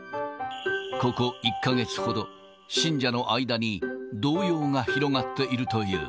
ここ１か月ほど、信者の間に動揺が広がっているという。